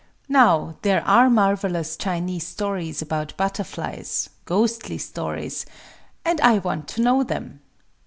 Now there are marvelous Chinese stories about butterflies—ghostly stories; and I want to know them.